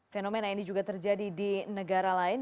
fenomena ini juga terjadi di negara lain